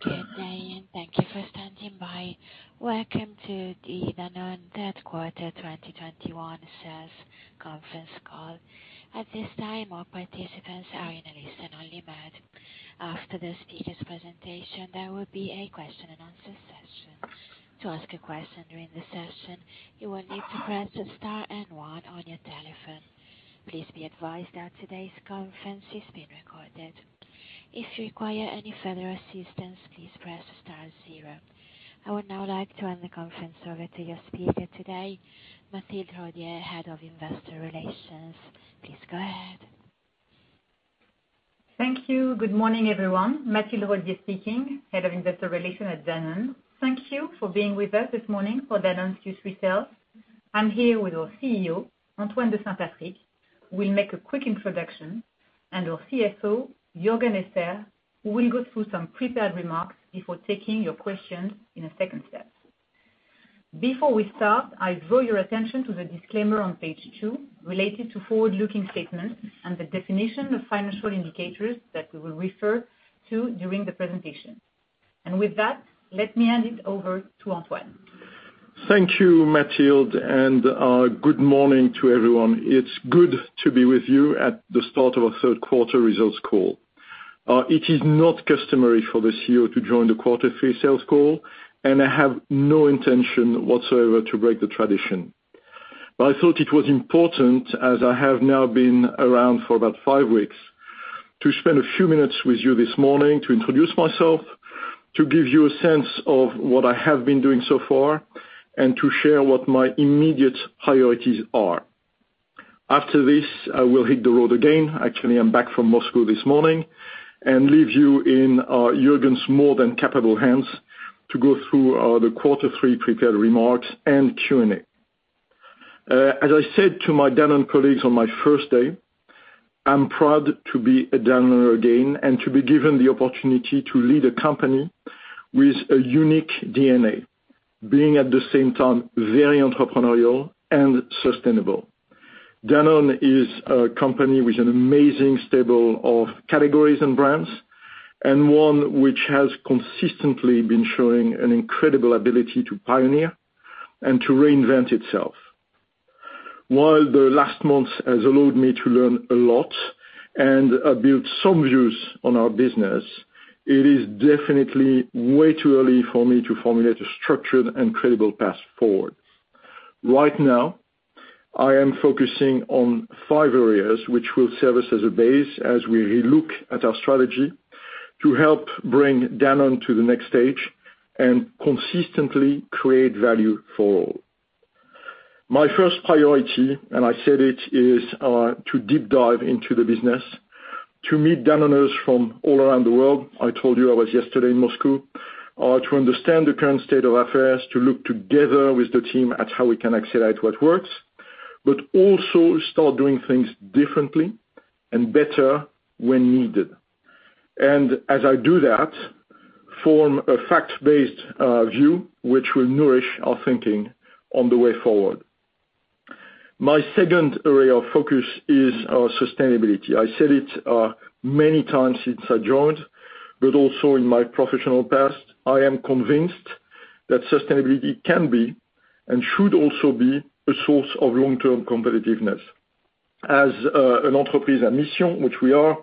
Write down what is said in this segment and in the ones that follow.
Good day, and thank you for standing by. Welcome to the Danone third quarter 2021 sales conference call. At this time, all participants are in a listen-only mode. After the speaker's presentation, there will be a question-and-answer session. To ask a question during the session, you will need to press star and one on your telephone. Please be advised that today's conference is being recorded. If you require and further assistance, please press star zero. I would now like to hand the conference over to your speaker today, Mathilde Rodie, Head of Investor Relations. Please go ahead. Thank you. Good morning, everyone. Mathilde Rodie speaking, Head of Investor Relations at Danone. Thank you for being with us this morning for Danone's Q3 sales. I'm here with our CEO, Antoine de Saint-Affrique, who will make a quick introduction, and our CFO, Juergen Esser, who will go through some prepared remarks before taking your questions in a second step. Before we start, I draw your attention to the disclaimer on page two related to forward-looking statements and the definition of financial indicators that we will refer to during the presentation. With that, let me hand it over to Antoine. Thank you, Mathilde, and good morning to everyone. It's good to be with you at the start of our third quarter results call. It is not customary for the CEO to join the quarter three sales call, and I have no intention whatsoever to break the tradition. I thought it was important, as I have now been around for about five weeks, to spend a few minutes with you this morning to introduce myself, to give you a sense of what I have been doing so far, and to share what my immediate priorities are. After this, I will hit the road again, actually, I'm back from Moscow this morning, and leave you in Juergen's more than capable hands to go through the quarter three prepared remarks and Q&A. As I said to my Danone colleagues on my first day, I'm proud to be a Danoner again and to be given the opportunity to lead a company with a unique DNA, being at the same time very entrepreneurial and sustainable. Danone is a company with an amazing stable of categories and brands, and one which has consistently been showing an incredible ability to pioneer and to reinvent itself. While the last month has allowed me to learn a lot and build some views on our business, it is definitely way too early for me to formulate a structured and credible path forward. Right now, I am focusing on five areas which will serve as a base as we relook at our strategy to help bring Danone to the next stage and consistently create value for all. My first priority, I said it, is to deep dive into the business, to meet Danoners from all around the world. I told you I was yesterday in Moscow. To understand the current state of affairs, to look together with the team at how we can accelerate what works, also start doing things differently and better when needed. As I do that, form a fact-based view, which will nourish our thinking on the way forward. My second area of focus is sustainability. I said it many times since I joined, also in my professional past, I am convinced that sustainability can be and should also be a source of long-term competitiveness. As an entreprise à mission, which we are,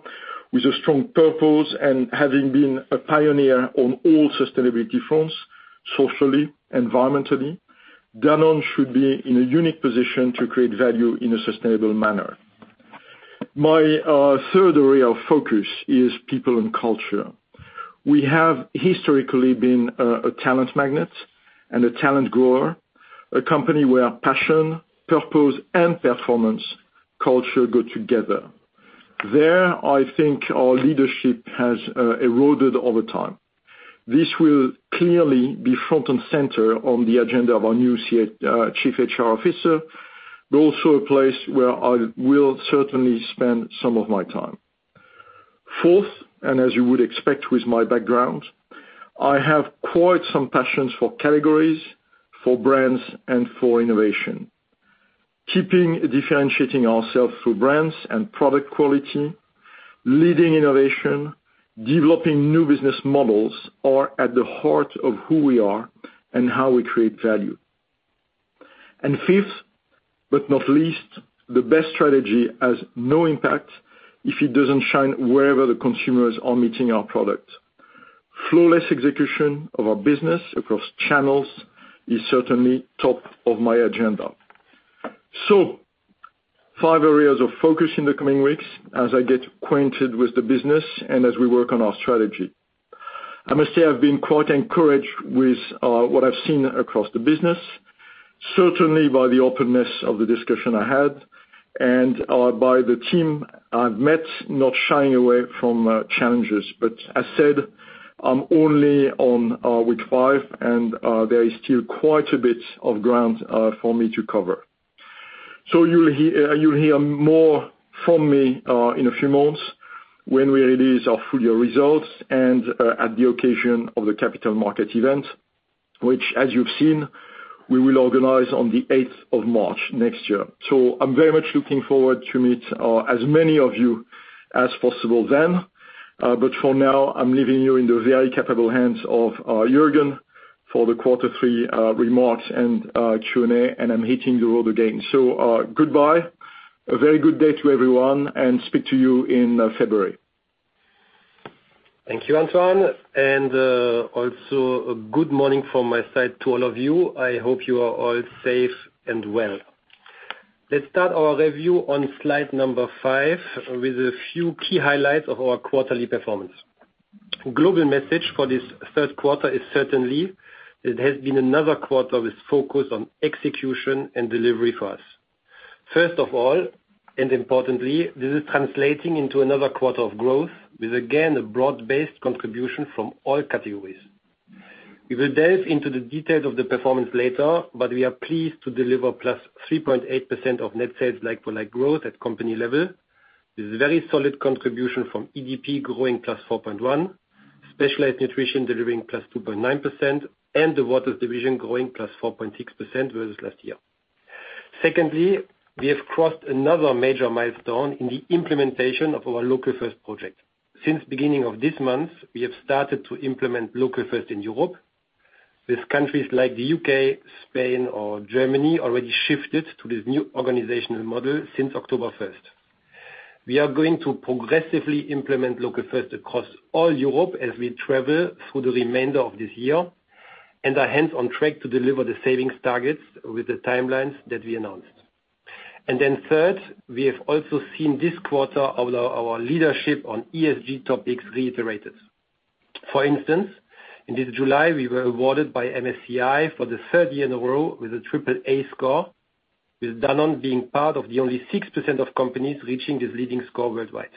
with a strong purpose and having been a pioneer on all sustainability fronts, socially, environmentally, Danone should be in a unique position to create value in a sustainable manner. My third area of focus is people and culture. We have historically been a talent magnet and a talent grower, a company where passion, purpose, and performance culture go together. There, I think our leadership has eroded over time. This will clearly be front and center on the agenda of our new chief HR officer, but also a place where I will certainly spend some of my time. Fourth, and as you would expect with my background, I have quite some passions for categories, for brands, and for innovation. Keeping differentiating ourselves through brands and product quality, leading innovation, developing new business models are at the heart of who we are and how we create value. Fifth, but not least, the best strategy has no impact if it doesn't shine wherever the consumers are meeting our product. Flawless execution of our business across channels is certainly top of my agenda. Five areas of focus in the coming weeks as I get acquainted with the business and as we work on our strategy. I must say, I've been quite encouraged with what I've seen across the business, certainly by the openness of the discussion I had and by the team I've met, not shying away from challenges. As said, I'm only on week five, and there is still quite a bit of ground for me to cover. You'll hear more from me in a few months when we release our full year results and at the occasion of the capital market event, which, as you've seen, we will organize on the 8th of March next year. I'm very much looking forward to meet as many of you as possible then. For now, I'm leaving you in the very capable hands of Juergen for the quarter three remarks and Q&A, and I'm hating to go again. Goodbye. A very good day to everyone, and speak to you in February. Thank you, Antoine. Good morning from my side to all of you. I hope you are all safe and well. Let's start our review on slide number five with a few key highlights of our quarterly performance. Global message for this third quarter is certainly, it has been another quarter with focus on execution and delivery for us. First of all, and importantly, this is translating into another quarter of growth with, again, a broad-based contribution from all categories. We will delve into the details of the performance later, but we are pleased to deliver +3.8% of net sales like-for-like growth at company level. This is very solid contribution from EDP growing +4.1%, Specialized Nutrition delivering +2.9%, and the waters division growing +4.6% versus last year. Secondly, we have crossed another major milestone in the implementation of our Local First project. Since beginning of this month, we have started to implement Local First in Europe, with countries like the U.K., Spain, or Germany, already shifted to this new organizational model since October 1st. We are going to progressively implement Local First across all Europe as we travel through the remainder of this year, are hence on track to deliver the savings targets with the timelines that we announced. Third, we have also seen this quarter our leadership on ESG topics reiterated. For instance, in this July, we were awarded by MSCI for the third year in a row with a AAA score, with Danone being part of the only 6% of companies reaching this leading score worldwide.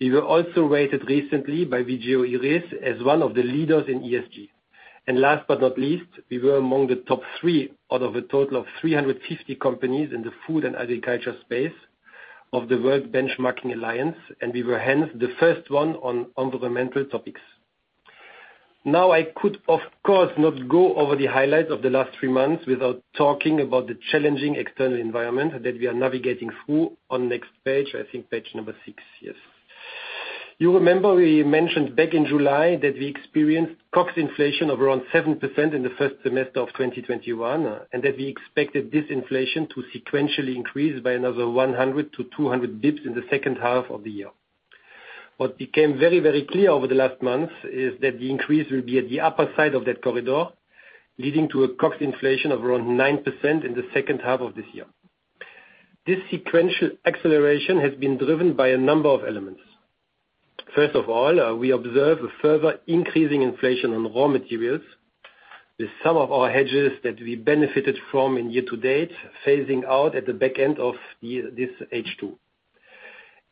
We were also rated recently by Vigeo Eiris as one of the leaders in ESG. Last but not least, we were among the top three out of a total of 350 companies in the food and agriculture space of the World Benchmarking Alliance, and we were hence the first one on environmental topics. I could, of course, not go over the highlights of the last three months without talking about the challenging external environment that we are navigating through on next page, I think page number six. You remember we mentioned back in July that we experienced COGS inflation of around 7% in the first semester of 2021, and that we expected this inflation to sequentially increase by another 100-200 basis points in the second half of the year. What became very, very clear over the last month is that the increase will be at the upper side of that corridor, leading to a COGS inflation of around 9% in the second half of this year. This sequential acceleration has been driven by a number of elements. First of all, we observe a further increasing inflation on raw materials with some of our hedges that we benefited from in year to date, phasing out at the back end of this H2.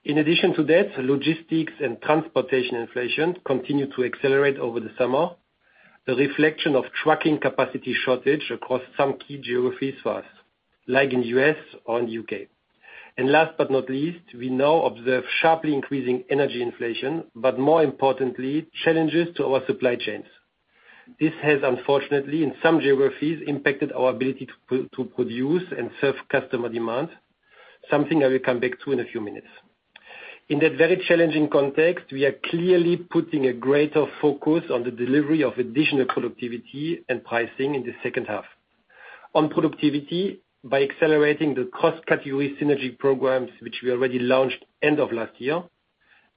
In addition to that, logistics and transportation inflation continued to accelerate over the summer. The reflection of trucking capacity shortage across some key geographies for us, like in the U.S. or in the U.K. Last but not least, we now observe sharply increasing energy inflation, but more importantly, challenges to our supply chains. This has, unfortunately, in some geographies, impacted our ability to produce and serve customer demand, something I will come back to in a few minutes. In that very challenging context, we are clearly putting a greater focus on the delivery of additional productivity and pricing in the second half. On productivity, by accelerating the cost category synergy programs, which we already launched end of last year,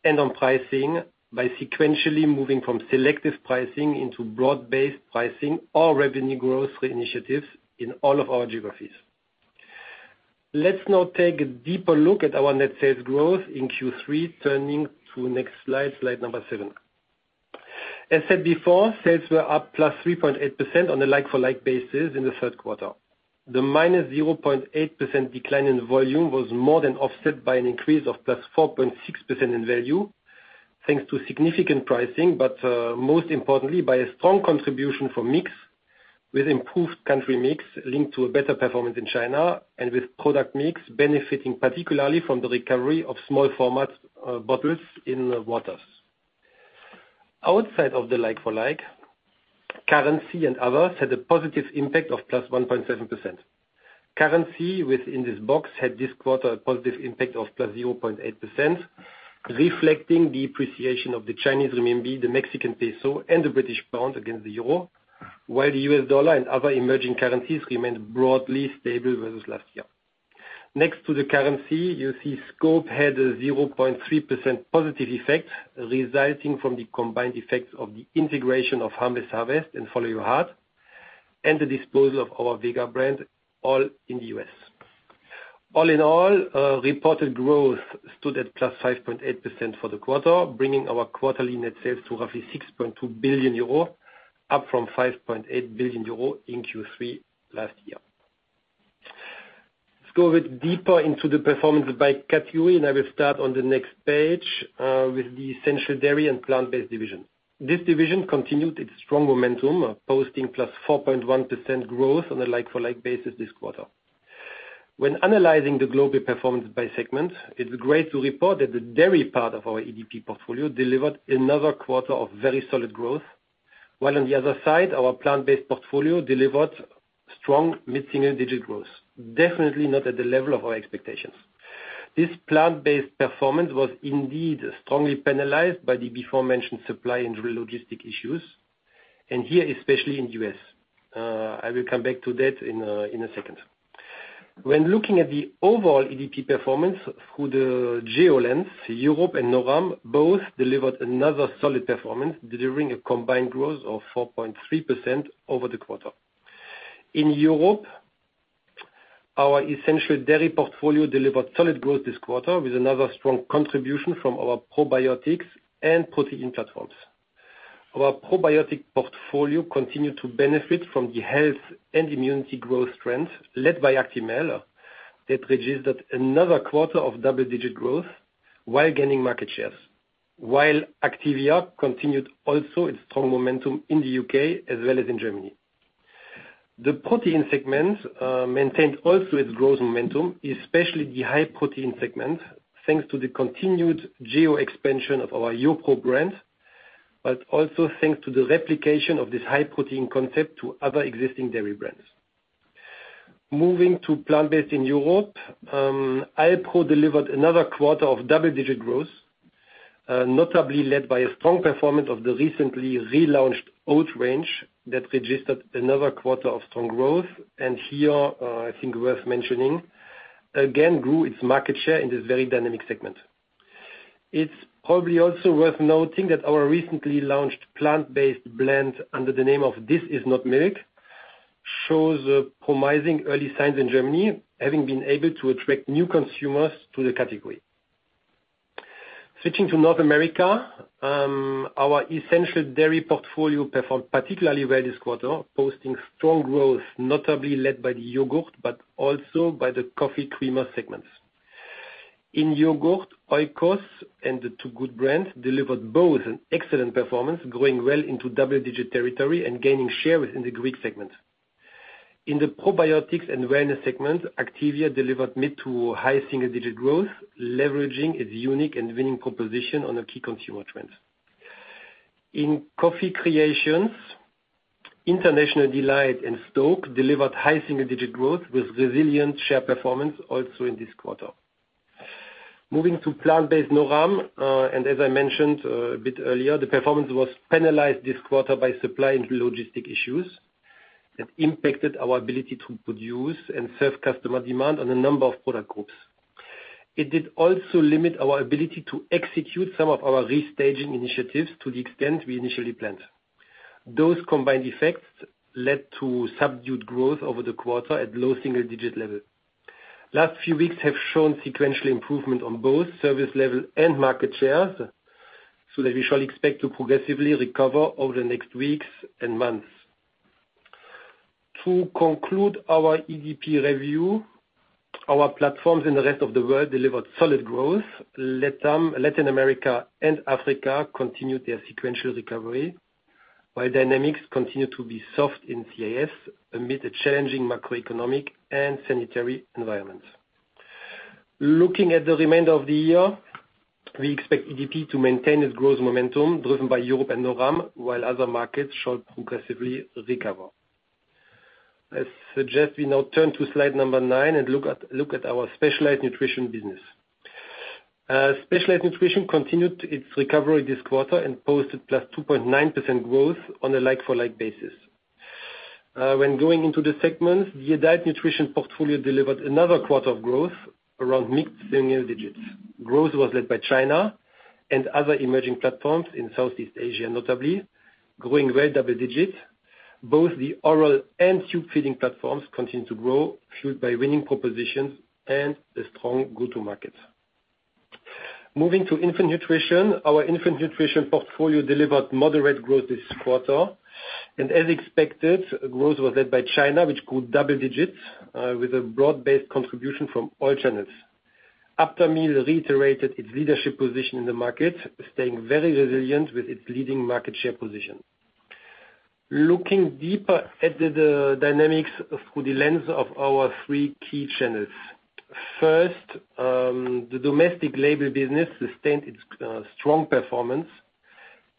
and on pricing by sequentially moving from selective pricing into broad-based pricing or revenue growth initiatives in all of our geographies. Let's now take a deeper look at our net sales growth in Q3, turning to next slide number seven. As said before, sales were up +3.8% on a like-for-like basis in the third quarter. The -0.8% decline in volume was more than offset by an increase of +4.6% in value, thanks to significant pricing, but, most importantly, by a strong contribution from mix with improved country mix linked to a better performance in China, and with product mix benefiting particularly from the recovery of small format bottles in waters. Outside of the like-for-like, currency and others had a positive impact of +1.7%. Currency within this box had this quarter a positive impact of +0.8%, reflecting the appreciation of the Chinese renminbi, the Mexican peso, and the British pound against the euro, while the U.S. dollar and other emerging currencies remained broadly stable versus last year. Next to the currency, you see scope had a 0.3% positive effect, resulting from the combined effects of the integration of Harmless Harvest and Follow Your Heart, and the disposal of our Vega brand, all in the U.S. All in all, reported growth stood at plus 5.8% for the quarter, bringing our quarterly net sales to roughly 6.2 billion euro, up from 5.8 billion euro in Q3 last year. Let's go a bit deeper into the performance by category, and I will start on the next page, with the essential dairy and plant-based division. This division continued its strong momentum, posting +4.1% growth on a like-for-like basis this quarter. When analyzing the global performance by segment, it's great to report that the dairy part of our EDP portfolio delivered another quarter of very solid growth, while on the other side, our plant-based portfolio delivered strong mid-single digit growth, definitely not at the level of our expectations. This plant-based performance was indeed strongly penalized by the beforementioned supply and logistics issues, and here, especially in U.S. I will come back to that in a second. When looking at the overall EDP performance through the geo-lens, Europe and NORAM both delivered another solid performance, delivering a combined growth of 4.3% over the quarter. In Europe, our essential dairy portfolio delivered solid growth this quarter, with another strong contribution from our probiotics and protein platforms. Our probiotic portfolio continued to benefit from the health and immunity growth trends led by Actimel, that registered another quarter of double-digit growth while gaining market shares, while Activia continued also its strong momentum in the U.K. as well as in Germany. The protein segment maintained also its growth momentum, especially the high protein segment, thanks to the continued geo-expansion of our YoPRO brand, but also thanks to the replication of this high protein concept to other existing dairy brands. Moving to plant-based in Europe, Alpro delivered another quarter of double-digit growth, notably led by a strong performance of the recently relaunched oat range that registered another quarter of strong growth, and here, I think worth mentioning, again grew its market share in this very dynamic segment. It's probably also worth noting that our recently launched plant-based brand under the name of This is Not M*lk, shows promising early signs in Germany, having been able to attract new consumers to the category. Switching to North America, our essential dairy portfolio performed particularly well this quarter, posting strong growth, notably led by the yogurt, but also by the coffee creamer segments. In yogurt, Oikos and the Two Good brands delivered both an excellent performance, growing well into double-digit territory and gaining shares in the Greek segment. In the probiotics and wellness segment, Activia delivered mid to high single-digit growth, leveraging its unique and winning proposition on a key consumer trend. In coffee creations, International Delight and STōK delivered high single-digit growth with resilient share performance also in this quarter. Moving to plant-based NORAM, as I mentioned a bit earlier, the performance was penalized this quarter by supply and logistic issues that impacted our ability to produce and serve customer demand on a number of product groups. It did also limit our ability to execute some of our restaging initiatives to the extent we initially planned. Those combined effects led to subdued growth over the quarter at low single-digit level. Last few weeks have shown sequential improvement on both service level and market shares, that we shall expect to progressively recover over the next weeks and months. To conclude our EDP review, our platforms in the rest of the world delivered solid growth. Latin America and Africa continued their sequential recovery, dynamics continued to be soft in CIS amid a challenging macroeconomic and sanitary environment. Looking at the remainder of the year, we expect EDP to maintain its growth momentum driven by Europe and NORAM, while other markets shall progressively recover. I suggest we now turn to slide number nine and look at our Specialized Nutrition business. Specialized Nutrition continued its recovery this quarter and posted +2.9% growth on a like-for-like basis. When going into the segments, the diet nutrition portfolio delivered another quarter of growth around mid-single digits. Growth was led by China and other emerging platforms in Southeast Asia, notably, growing very double digits. Both the oral and tube feeding platforms continued to grow, fueled by winning propositions and the strong go-to-market. Moving to infant nutrition. Our infant nutrition portfolio delivered moderate growth this quarter. As expected, growth was led by China, which grew double digits, with a broad-based contribution from all channels. Aptamil reiterated its leadership position in the market, staying very resilient with its leading market share position. Looking deeper at the dynamics through the lens of our three key channels. First, the domestic label business sustained its strong performance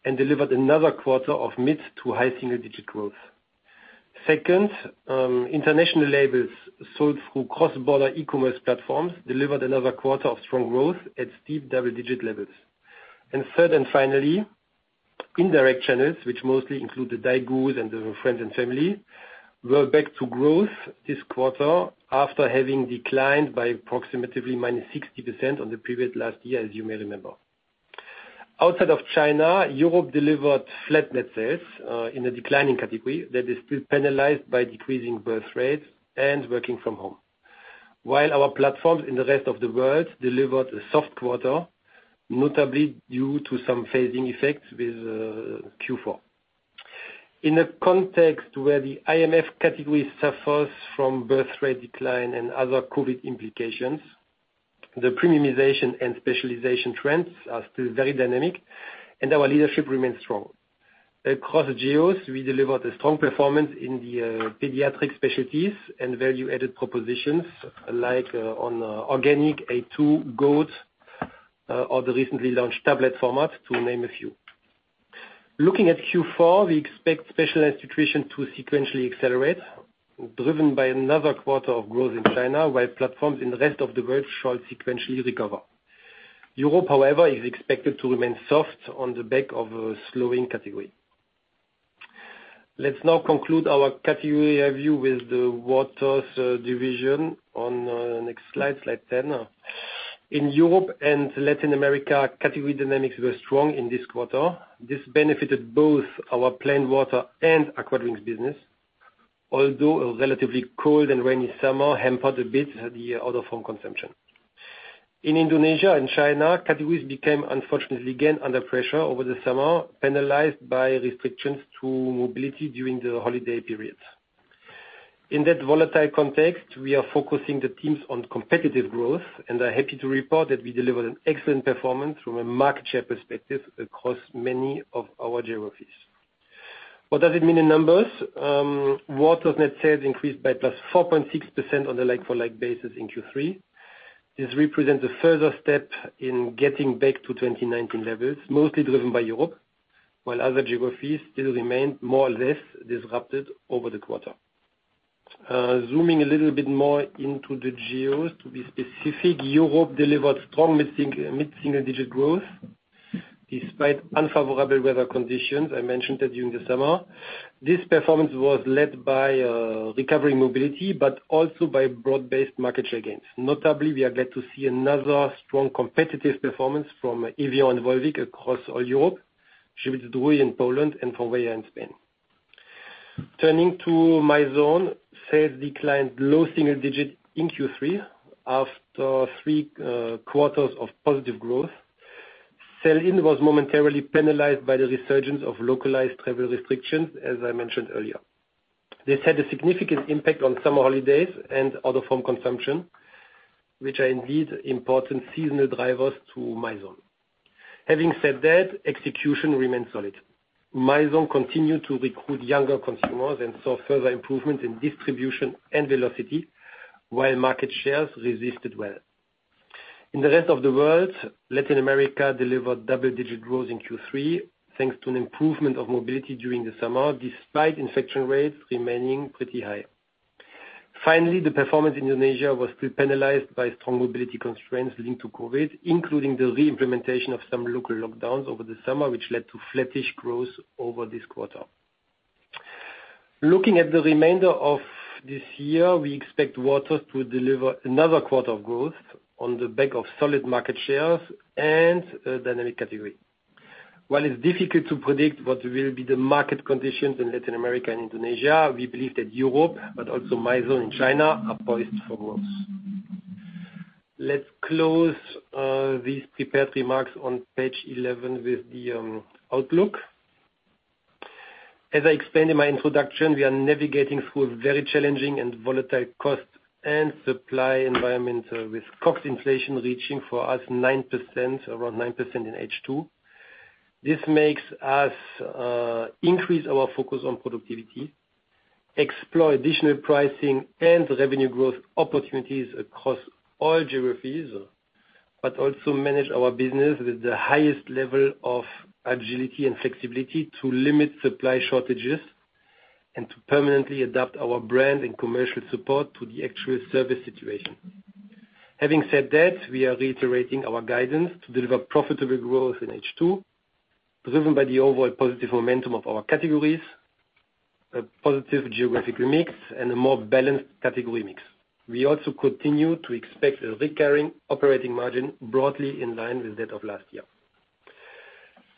and delivered another quarter of mid- to high-single-digit growth. Second, international labels sold through cross-border e-commerce platforms delivered another quarter of strong growth at steep double-digit levels. Third and finally, indirect channels, which mostly include the daigou and the Friends and Family, were back to growth this quarter after having declined by approximately -60% on the previous last year, as you may remember. Outside of China, Europe delivered flat net sales in a declining category that is still penalized by decreasing birth rates and working from home. While our platforms in the rest of the world delivered a soft quarter, notably due to some phasing effects with Q4. In a context where the IMF category suffers from birth rate decline and other COVID implications, the premiumization and specialization trends are still very dynamic, and our leadership remains strong. Across geos, we delivered a strong performance in the pediatric specialties and value-added propositions like on organic a2 Gold, or the recently launched tablet format, to name a few. Looking at Q4, we expect Specialized Nutrition to sequentially accelerate, driven by another quarter of growth in China, while platforms in the rest of the world shall sequentially recover. Europe, however, is expected to remain soft on the back of a slowing category. Let's now conclude our category review with the waters division on the next slide 10. In Europe and Latin America, category dynamics were strong in this quarter. This benefited both our plain water and waters business, although a relatively cold and rainy summer hampered a bit the out-of-home consumption. In Indonesia and China, categories became unfortunately again under pressure over the summer, penalized by restrictions to mobility during the holiday periods. In that volatile context, we are focusing the teams on competitive growth, and are happy to report that we delivered an excellent performance from a market share perspective across many of our geographies. What does it mean in numbers? Waters net sales increased by +4.6% on a like-for-like basis in Q3. This represents a further step in getting back to 2019 levels, mostly driven by Europe, while other geographies still remain more or less disrupted over the quarter. Zooming a little bit more into the geos to be specific, Europe delivered strong mid-single-digit growth despite unfavorable weather conditions, I mentioned that during the summer. This performance was led by recovering mobility, but also by broad-based market share gains. Notably, we are glad to see another strong competitive performance from Evian and Volvic across all Europe, Żywiec Zdrój in Poland and Font Vella in Spain. Turning to Mizone, sales declined low single-digit in Q3 after three quarters of positive growth. Sell-in was momentarily penalized by the resurgence of localized travel restrictions, as I mentioned earlier. This had a significant impact on summer holidays and other form consumption, which are indeed important seasonal drivers to Mizone. Having said that, execution remains solid. Mizone continued to recruit younger consumers and saw further improvement in distribution and velocity, while market shares resisted well. In the rest of the world, Latin America delivered double-digit growth in Q3, thanks to an improvement of mobility during the summer, despite infection rates remaining pretty high. Finally, the performance in Indonesia was still penalized by strong mobility constraints linked to COVID, including the re-implementation of some local lockdowns over the summer, which led to flattish growth over this quarter. Looking at the remainder of this year, we expect Waters to deliver another quarter of growth on the back of solid market shares and a dynamic category. While it's difficult to predict what will be the market conditions in Latin America and Indonesia, we believe that Europe, but also Mizone in China, are poised for growth. Let's close these prepared remarks on page 11 with the outlook. As I explained in my introduction, we are navigating through a very challenging and volatile cost and supply environment, with cost inflation reaching for us 9%, around 9% in H2. This makes us increase our focus on productivity, explore additional pricing and revenue growth opportunities across all geographies, but also manage our business with the highest level of agility and flexibility to limit supply shortages, and to permanently adapt our brand and commercial support to the actual service situation. Having said that, we are reiterating our guidance to deliver profitable growth in H2, driven by the overall positive momentum of our categories, a positive geographic mix, and a more balanced category mix. We also continue to expect a recurring operating margin broadly in line with that of last year.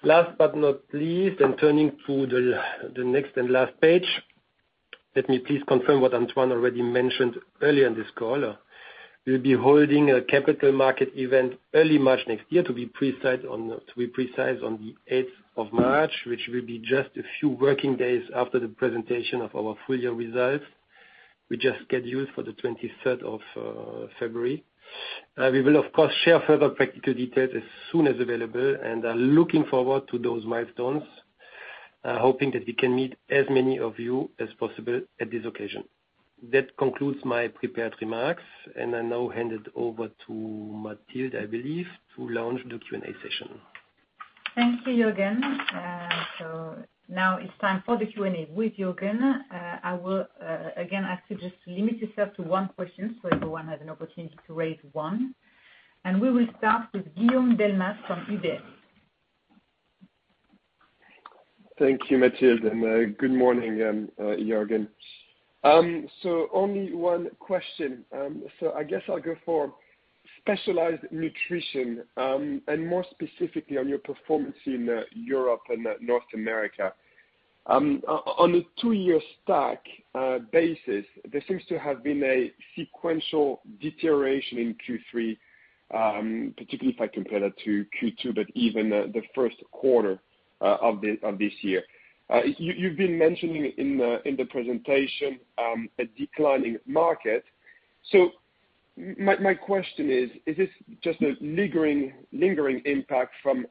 Last but not least, and turning to the next and last page, let me please confirm what Antoine already mentioned earlier in this call. We'll be holding a capital market event early March next year, to be precise, on the 8th of March, which will be just a few working days after the presentation of our full-year results, which is scheduled for the 23rd of February. We will, of course, share further practical details as soon as available, and are looking forward to those milestones, hoping that we can meet as many of you as possible at this occasion. That concludes my prepared remarks, and I now hand it over to Mathilde, I believe, to launch the Q&A session. Thank you, Juergen. Now it's time for the Q&A with Juergen. I will, again, ask you just to limit yourself to one question so everyone has an opportunity to raise one. We will start with Guillaume Delmas from UBS. Thank you, Mathilde, and good morning again, Juergen. Only one question. I guess I'll go for Specialized Nutrition, and more specifically on your performance in Europe and North America. On a two-year stack basis, there seems to have been a sequential deterioration in Q3, particularly if I compare that to Q2, but even the first quarter of this year. You've been mentioning in the presentation, a declining market. My question is this just a lingering impact from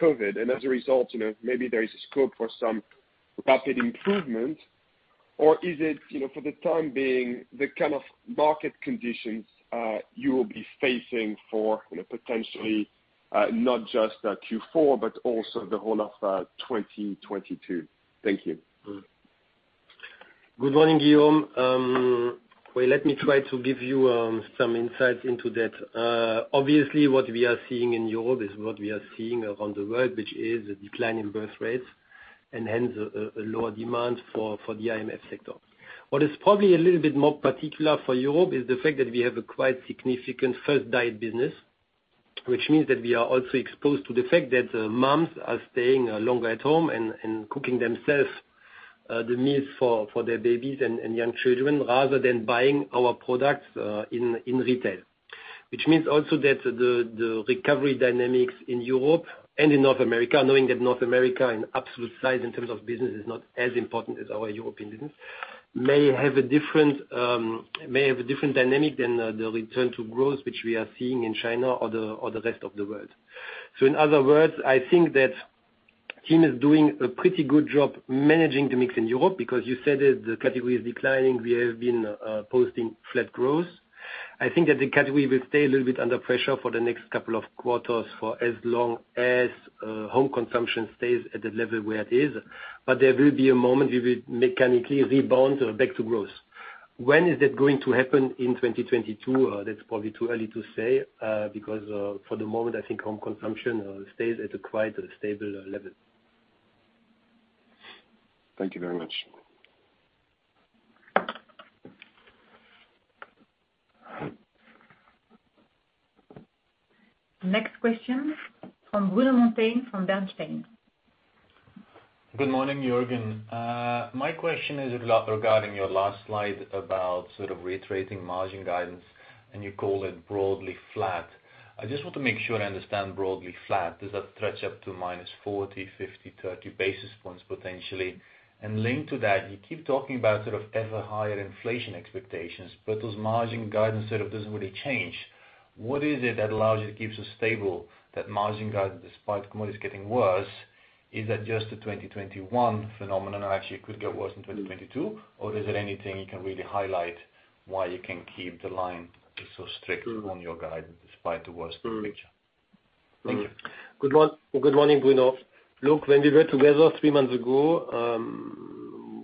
COVID? As a result, maybe there is a scope for some rapid improvement, or is it, for the time being, the kind of market conditions you will be facing for potentially not just Q4, but also the whole of 2022? Thank you. Good morning, Guillaume. Well, let me try to give you some insights into that. Obviously, what we are seeing in Europe is what we are seeing around the world, which is a decline in birth rates and hence a lower demand for the IMF sector. What is probably a little bit more particular for Europe is the fact that we have a quite significant first diet business, which means that we are also exposed to the fact that moms are staying longer at home and cooking themselves the meals for their babies and young children, rather than buying our products in retail. Which means also that the recovery dynamics in Europe and in North America, knowing that North America in absolute size in terms of business, is not as important as our European business, may have a different dynamic than the return to growth, which we are seeing in China or the rest of the world. In other words, I think that team is doing a pretty good job managing the mix in Europe, because you said it, the category is declining. We have been posting flat growth. I think that the category will stay a little bit under pressure for the next couple of quarters for as long as home consumption stays at the level where it is. There will be a moment it will mechanically rebound back to growth. When is that going to happen in 2022? That's probably too early to say, because for the moment, I think home consumption stays at a quite stable level. Thank you very much. Next question from Bruno Monteyne from Bernstein. Good morning, Juergen. My question is regarding your last slide about sort of reiterating margin guidance, and you call it broadly flat. I just want to make sure I understand broadly flat. Does that stretch up to -40, -50, -30 basis points potentially? Linked to that, you keep talking about sort of ever higher inflation expectations, but those margin guidance sort of doesn't really change. What is it that allows you to keep so stable that margin guidance despite commodities getting worse? Is that just a 2021 phenomenon, or actually it could get worse in 2022? Is there anything you can really highlight why you can keep the line so strict on your guidance despite the worsening picture? Thank you. Good morning, Bruno. Look, when we were together three months ago,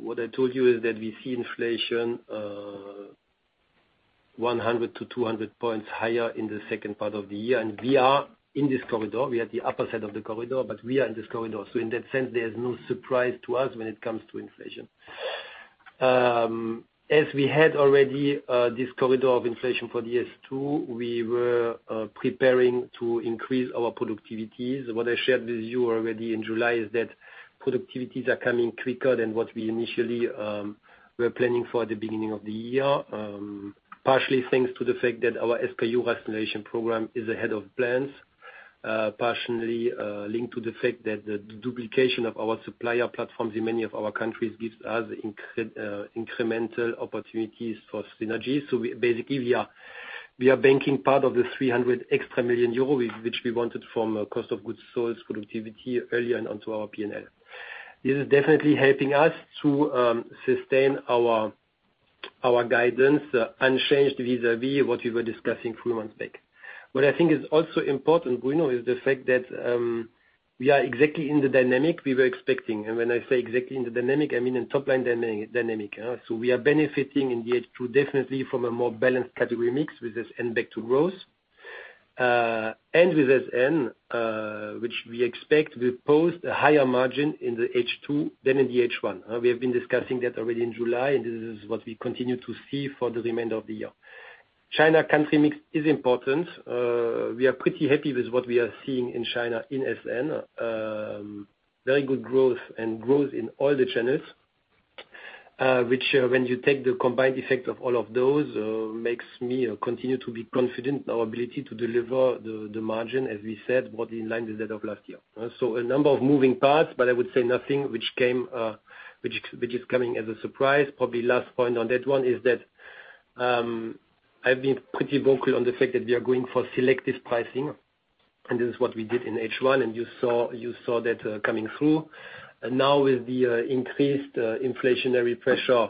what I told you is that we see inflation 100 to 200 points higher in the second part of the year. We are in this corridor. We are at the upper side of the corridor. We are in this corridor. In that sense, there's no surprise to us when it comes to inflation. As we had already this corridor of inflation for H2, we were preparing to increase our productivities. What I shared with you already in July is that productivities are coming quicker than what we initially were planning for the beginning of the year, partially thanks to the fact that our SKU rationalization program is ahead of plans, partially linked to the fact that the duplication of our supplier platforms in many of our countries gives us incremental opportunities for synergies. Basically, we are banking part of the 300 million euro extra, which we wanted from a cost of goods source productivity early and onto our P&L. This is definitely helping us to sustain our guidance unchanged vis-a-vis what we were discussing three months back. What I think is also important, Bruno, is the fact that we are exactly in the dynamic we were expecting. When I say exactly in the dynamic, I mean in top line dynamic. We are benefiting in H2 definitely from a more balanced category mix with this SN back to growth, and with SN which we expect will post a higher margin in the H2 than in the H1. We have been discussing that already in July, and this is what we continue to see for the remainder of the year. China country mix is important. We are pretty happy with what we are seeing in China in SN. Very good growth and growth in all the channels, which when you take the combined effect of all of those, makes me continue to be confident in our ability to deliver the margin, as we said, more in line with that of last year. A number of moving parts, but I would say nothing which is coming as a surprise. Probably last point on that one is that I've been pretty vocal on the fact that we are going for selective pricing, and this is what we did in H1, and you saw that coming through. With the increased inflationary pressure,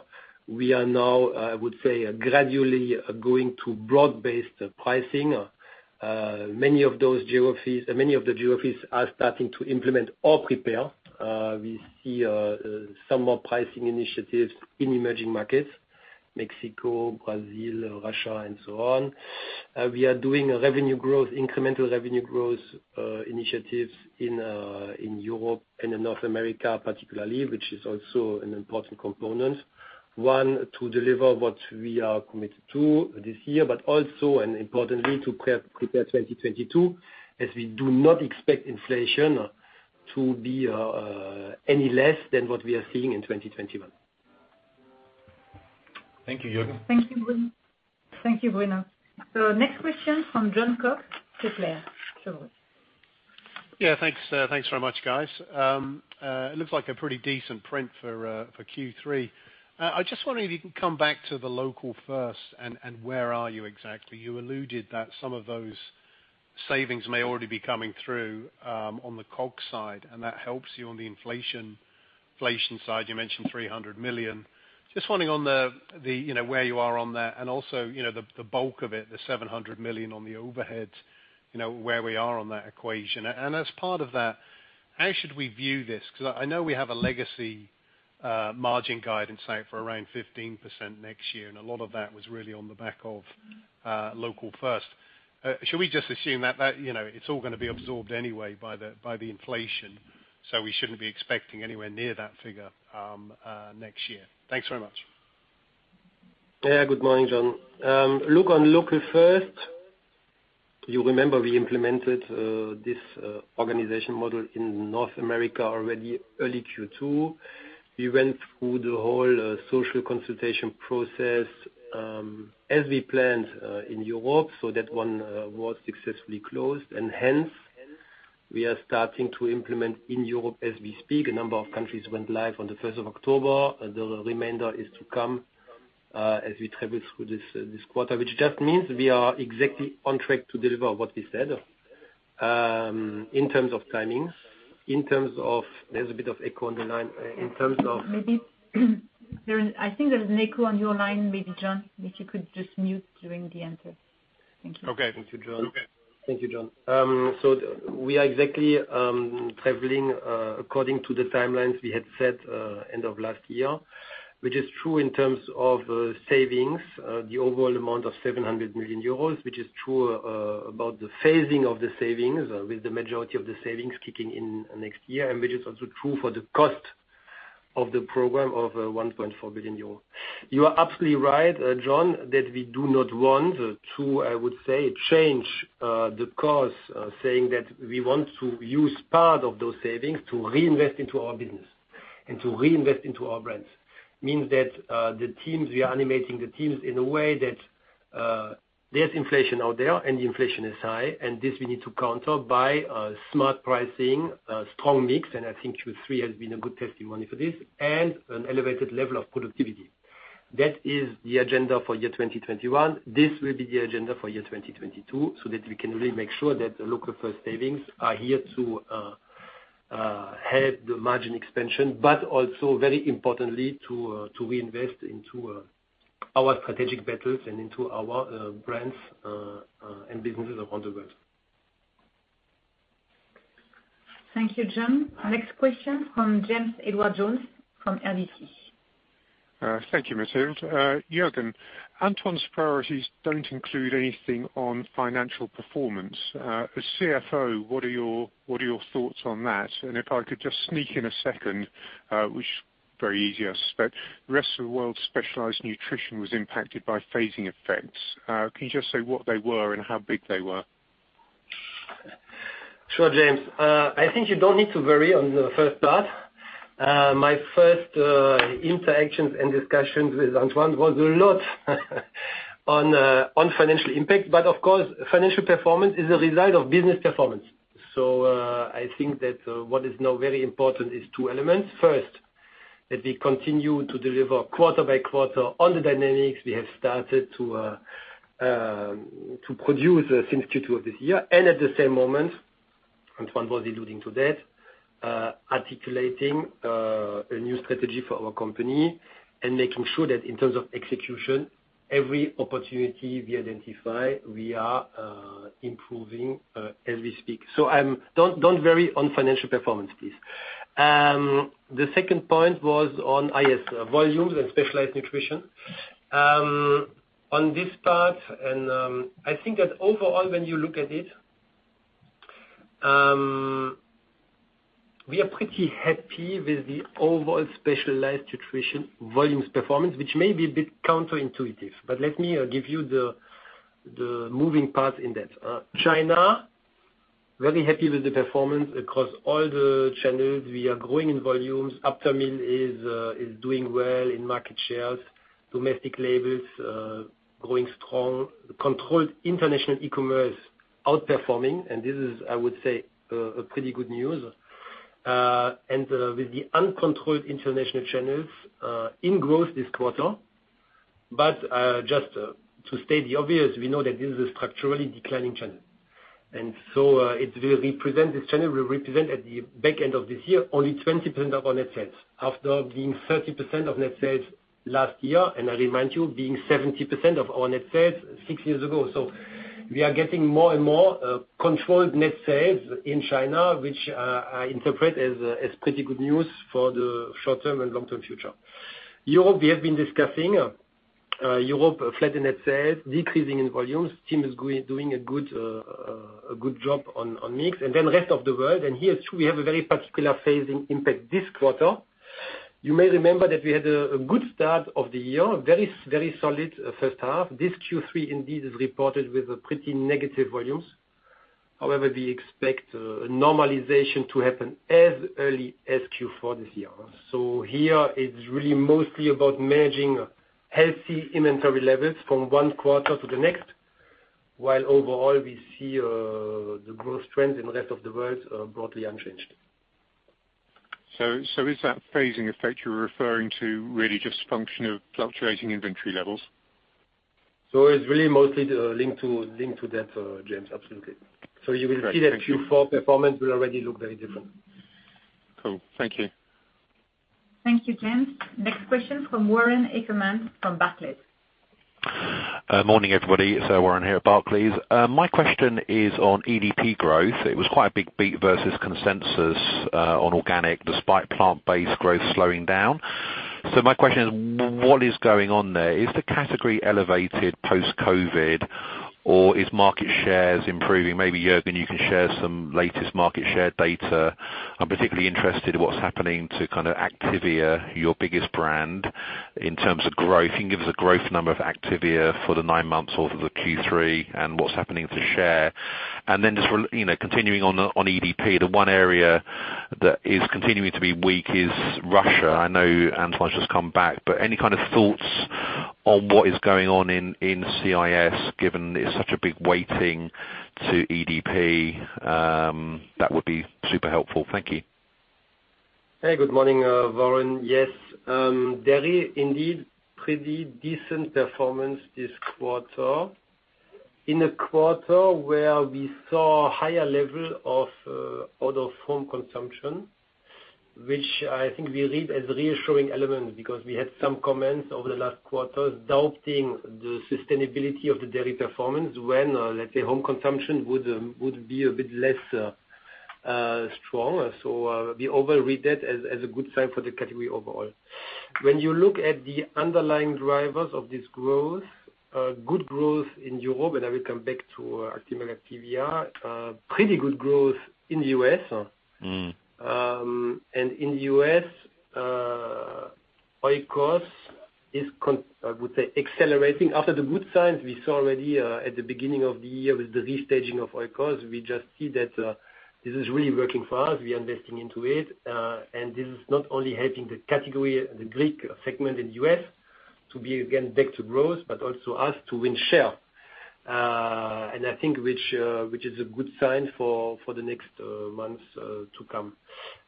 we are now, I would say, gradually going to broad-based pricing. Many of the geographies are starting to implement or prepare. We see some more pricing initiatives in emerging markets, Mexico, Brazil, Russia, and so on. We are doing a revenue growth, incremental revenue growth initiatives in Europe and in North America particularly, which is also an important component. One, to deliver what we are committed to this year, but also, and importantly, to prepare 2022, as we do not expect inflation to be any less than what we are seeing in 2021. Thank you, Juergen. Thank you, Bruno. Next question from Jon Cox, Kepler Cheuvreux. Yeah. Thanks very much, guys. It looks like a pretty decent print for Q3. I just wonder if you can come back to the Local First and where are you exactly? You alluded that some of those savings may already be coming through on the COGS side, and that helps you on the inflation side, you mentioned 300 million. Just wondering where you are on that and also, the bulk of it, the 700 million on the overhead, where we are on that equation. As part of that, how should we view this? I know we have a legacy margin guidance, say, for around 15% next year, and a lot of that was really on the back of Local First. Should we just assume that it's all going to be absorbed anyway by the inflation, so we shouldn't be expecting anywhere near that figure next year? Thanks very much. Good morning, Jon. Look on Local First, you remember we implemented this organization model in North America already early Q2. We went through the whole social consultation process, as we planned in Europe, so that one was successfully closed, and hence, we are starting to implement in Europe as we speak. A number of countries went live on the 1st of October. The remainder is to come as we travel through this quarter, which just means we are exactly on track to deliver what we said in terms of timings. There's a bit of echo on the line. Maybe I think there's an echo on your line, maybe, Jon, if you could just mute during the answer. Thank you. Okay. Thank you, Jon. We are exactly traveling according to the timelines we had set end of last year, which is true in terms of savings, the overall amount of 700 million euros, which is true about the phasing of the savings, with the majority of the savings kicking in next year, and which is also true for the cost of the program of 1.4 billion euros. You are absolutely right, Jon, that we do not want to, I would say, change the course, saying that we want to use part of those savings to reinvest into our business and to reinvest into our brands. Means that we are animating the teams in a way that there's inflation out there, and the inflation is high, and this we need to counter by smart pricing, strong mix, and I think Q3 has been a good testimony for this, and an elevated level of productivity. That is the agenda for year 2021. This will be the agenda for year 2022, so that we can really make sure that the Local First savings are here to help the margin expansion, but also very importantly, to reinvest into our strategic battles and into our brands and businesses around the world. Thank you, Jon. Next question from James Edwardes Jones from RBC. Thank you, Mathilde. Juergen, Antoine's priorities don't include anything on financial performance. As CFO, what are your thoughts on that? If I could just sneak in a second, which very easy I suspect, the rest of the world's Specialized Nutrition was impacted by phasing effects. Can you just say what they were and how big they were? Sure, James. I think you don't need to worry on the first part. My first interactions and discussions with Antoine was a lot on financial impact. Of course, financial performance is a result of business performance. I think that what is now very important is two elements. First, that we continue to deliver quarter by quarter on the dynamics we have started to produce since Q2 of this year. At the same moment, Antoine was alluding to that, articulating a new strategy for our company and making sure that in terms of execution, every opportunity we identify, we are improving as we speak. Don't worry on financial performance, please. The second point was on volumes and Specialized Nutrition. On this part, I think that overall when you look at it, we are pretty happy with the overall Specialized Nutrition volumes performance, which may be a bit counterintuitive, let me give you the moving part in that. China, very happy with the performance across all the channels. We are growing in volumes. Aptamil is doing well in market shares, domestic labels growing strong, controlled international e-commerce outperforming, this is, I would say, a pretty good news. With the uncontrolled international channels, in growth this quarter, just to state the obvious, we know that this is a structurally declining channel. This channel will represent at the back end of this year, only 20% of our net sales, after being 30% of net sales last year, I remind you, being 70% of our net sales six years ago. We are getting more and more controlled net sales in China, which I interpret as pretty good news for the short-term and long-term future. Europe, we have been discussing. Europe, flat net sales, decreasing in volumes. Team is doing a good job on mix. Rest of the world, and here, too, we have a very particular phasing impact this quarter. You may remember that we had a good start of the year, very solid first half. This Q3 indeed is reported with pretty negative volumes. However, we expect a normalization to happen as early as Q4 this year. Here it's really mostly about managing healthy inventory levels from one quarter to the next, while overall we see the growth trends in the rest of the world broadly unchanged. Is that phasing effect you're referring to really just function of fluctuating inventory levels? It's really mostly linked to that, James. Absolutely. Great. Thank you. You will see that Q4 performance will already look very different. Cool. Thank you. Thank you, James. Next question from Warren Ackerman from Barclays. Morning, everybody. Warren here at Barclays. My question is on EDP growth. It was quite a big beat versus consensus on organic despite plant-based growth slowing down. My question is, what is going on there? Is the category elevated post-COVID or is market shares improving? Maybe, Juergen, you can share some latest market share data. I'm particularly interested in what's happening to kind of Activia, your biggest brand, in terms of growth. You can give us a growth number of Activia for the nine months or for the Q3 and what's happening to share. Just continuing on EDP, the one area that is continuing to be weak is Russia. I know Antoine has just come back, any kind of thoughts on what is going on in CIS, given it's such a big weighting to EDP, that would be super helpful. Thank you. Hey, good morning, Warren. Yes, dairy indeed, pretty decent performance this quarter. In a quarter where we saw higher level of out-of-home consumption, which I think we read as reassuring element because we had some comments over the last quarters doubting the sustainability of the dairy performance when, let's say, home consumption would be a bit less strong. We read that as a good sign for the category overall. When you look at the underlying drivers of this growth, good growth in Europe, and I will come back to Actimel and Activia, pretty good growth in the U.S. In the U.S., Oikos is, I would say, accelerating after the good signs we saw already at the beginning of the year with the restaging of Oikos. We just see that this is really working for us, we are investing into it, and this is not only helping the category, the Greek segment in the U.S. to be again back to growth, but also us to win share, and I think which is a good sign for the next months to come.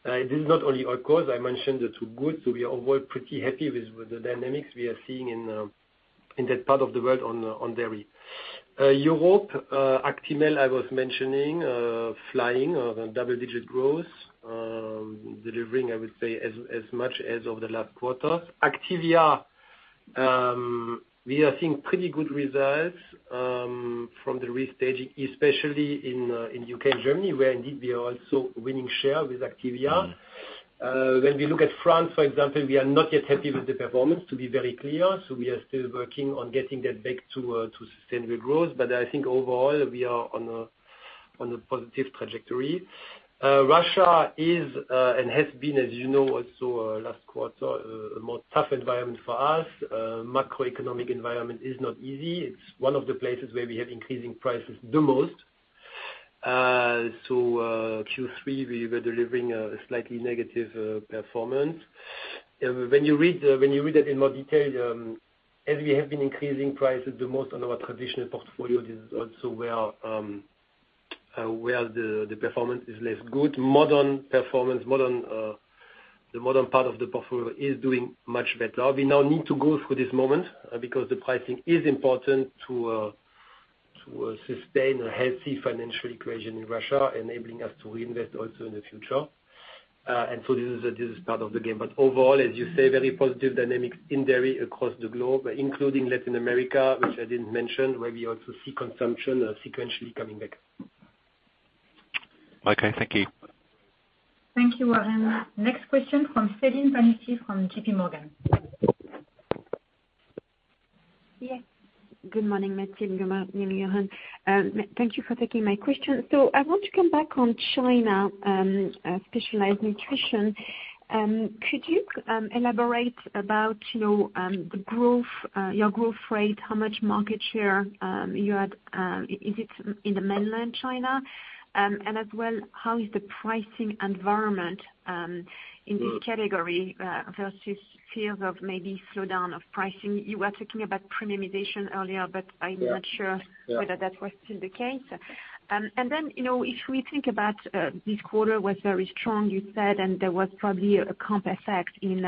This is not only Oikos, I mentioned the Two Good. We are overall pretty happy with the dynamics we are seeing in that part of the world on dairy. Europe, Actimel, I was mentioning, flying on a double-digit growth, delivering, I would say, as much as over the last quarter. Activia, we are seeing pretty good results from the restaging, especially in U.K. and Germany, where indeed we are also winning share with Activia. When we look at France, for example, we are not yet happy with the performance, to be very clear. We are still working on getting that back to sustainable growth. I think overall, we are on a positive trajectory. Russia is and has been, as you know also last quarter, a more tough environment for us. Macroeconomic environment is not easy. It's one of the places where we have increasing prices the most. Q3, we were delivering a slightly negative performance. When you read that in more detail, as we have been increasing prices the most on our traditional portfolio, this is also where the performance is less good. Modern performance, the modern part of the portfolio is doing much better. We now need to go through this moment because the pricing is important to sustain a healthy financial equation in Russia, enabling us to reinvest also in the future. This is part of the game. Overall, as you say, very positive dynamics in dairy across the globe, including Latin America, which I didn't mention, where we also see consumption sequentially coming back. Okay, thank you. Thank you, Warren. Next question from Celine Pannuti from JPMorgan. Yes. Good morning, Mathilde, good morning, Juergen. Thank you for taking my question. I want to come back on China Specialized Nutrition. Could you elaborate about your growth rate, how much market share you had? Is it in the mainland China? As well, how is the pricing environment in this category versus fears of maybe slowdown of pricing? You were talking about premiumization earlier, I'm not sure. Yeah. whether that was still the case. If we think about this quarter was very strong, you said, and there was probably a comp effect in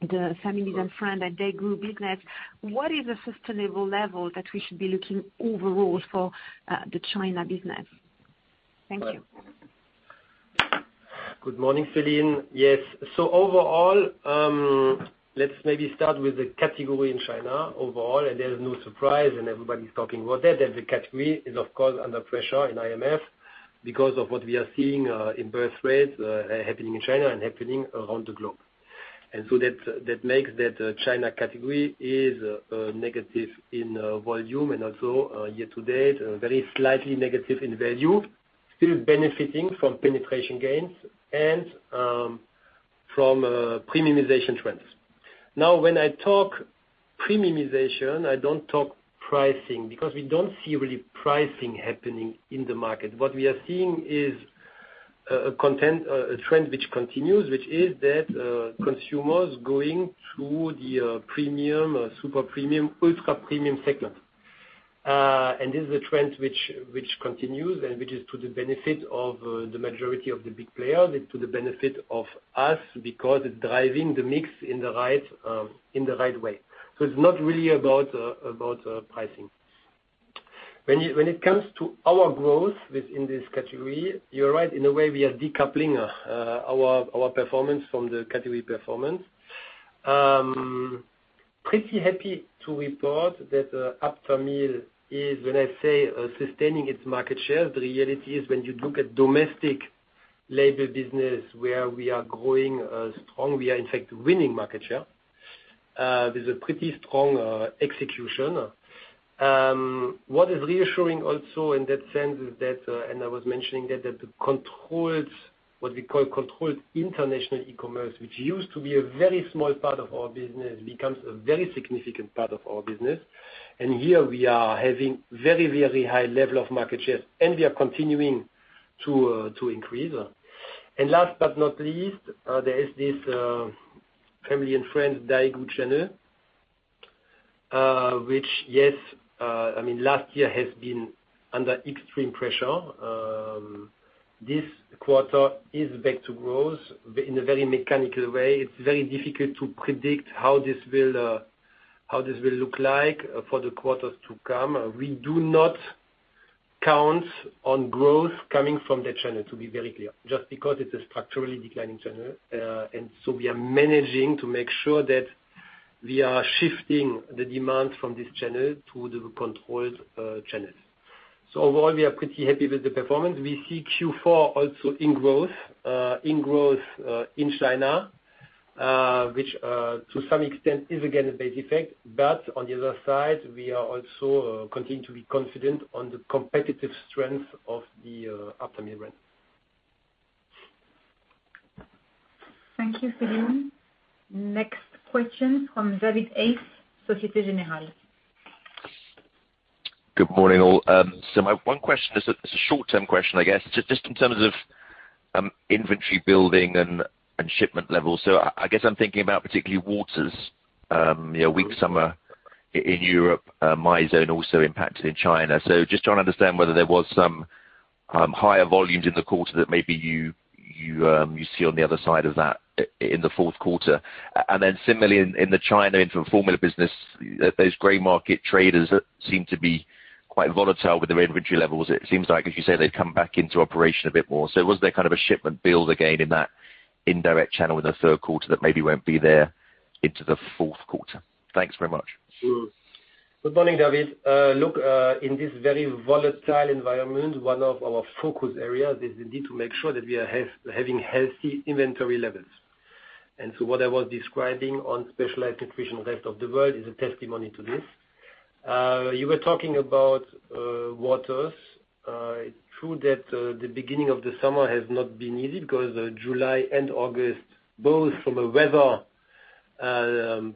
the Family and Friends and daigou business, what is a sustainable level that we should be looking overall for the China business? Thank you. Good morning, Celine. Yes. Overall, let's maybe start with the category in China overall. There's no surprise. Everybody's talking about that the category is, of course, under pressure in IMF because of what we are seeing in birth rates happening in China and happening around the globe. That makes that China category is negative in volume and also year to date, very slightly negative in value, still benefiting from penetration gains and from premiumization trends. Now, when I talk premiumization, I don't talk pricing because we don't see really pricing happening in the market. What we are seeing is a trend which continues, which is that consumers going to the premium, super premium, ultra premium segment. This is a trend which continues, and which is to the benefit of the majority of the big players, and to the benefit of us, because it's driving the mix in the right way. It's not really about pricing. When it comes to our growth within this category, you're right, in a way, we are decoupling our performance from the category performance. Pretty happy to report that Aptamil is, when I say, sustaining its market share, the reality is when you look at domestic label business where we are growing strong, we are in fact winning market share, with a pretty strong execution. What is reassuring also in that sense is that, and I was mentioning that, the controlled, what we call controlled international e-commerce, which used to be a very small part of our business, becomes a very significant part of our business. Here we are having very, very high level of market share, and we are continuing to increase. Last but not least, there is this Family and Friends daigou channel, which, yes, last year has been under extreme pressure. This quarter is back to growth in a very mechanical way. It's very difficult to predict how this will look like for the quarters to come. We do not count on growth coming from that channel, to be very clear, just because it's a structurally declining channel. So we are managing to make sure that we are shifting the demand from this channel to the controlled channels. Overall, we are pretty happy with the performance. We see Q4 also in growth, in growth in China, which, to some extent is again a base effect. On the other side, we are also continuing to be confident on the competitive strength of the Aptamil brand. Thank you, Celine. Next question from David Hayes, Societe Generale. Good morning, all. My one question is a short-term question, I guess, just in terms of inventory building and shipment levels. I guess I'm thinking about particularly waters, weak summer in Europe, Mizone also impacted in China. Just trying to understand whether there was some higher volumes in the quarter that maybe you see on the other side of that in the fourth quarter. Similarly in the China infant formula business, those gray market traders seem to be quite volatile with their inventory levels. It seems like, as you say, they've come back into operation a bit more. Was there kind of a shipment build again in that indirect channel in the third quarter that maybe won't be there into the fourth quarter? Thanks very much. Sure. Good morning, David. Look, in this very volatile environment, one of our focus areas is the need to make sure that we are having healthy inventory levels. What I was describing on Specialized Nutrition, rest of the world is a testimony to this. You were talking about waters. It's true that the beginning of the summer has not been easy because July and August, both from a weather